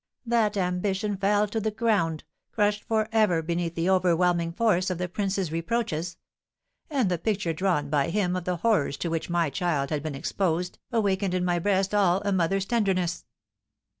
"That ambition fell to the ground, crushed for ever beneath the overwhelming force of the prince's reproaches. And the picture drawn by him of the horrors to which my child had been exposed awakened in my breast all a mother's tenderness."